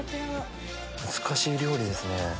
難しい料理ですね。